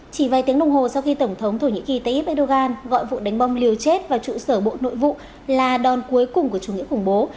chỉ vài tiếng đồng hồ sau khi tổng thống thổ nhĩ kỳ tayyip erdogan gọi vụ đánh bom liều chết vào trụ sở bộ nội vụ là đòn cuối cùng của chủ nghĩa khủng bố